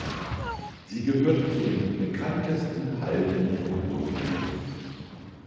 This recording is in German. Sie gehört zu den bekanntesten Halden im Ruhrgebiet.